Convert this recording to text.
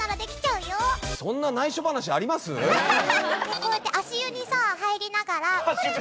こうやって足湯にさ入りながら。